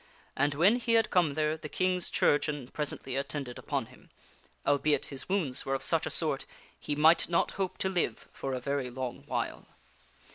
And when he had come there the King's chirurgeon presently attended upon him albeit his wounds were of such a sort he might not hope to live for a very long while.